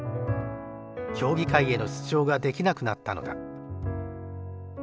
競技会への出場ができなくなったのだ。